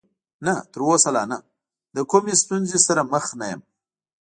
نه، تر اوسه لا نه، له کومې ستونزې سره مخ نه یم.